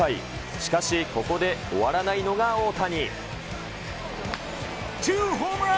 しかし、ここで終わらないのが大谷。